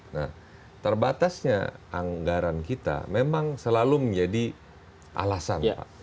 nah terbatasnya anggaran kita memang selalu menjadi alasan pak